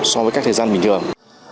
so với các thời gian bình thường